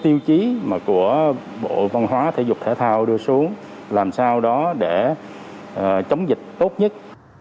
tiêu chí của bộ văn hóa thể dục thể thao đưa xuống làm sao đó để chống dịch tốt nhất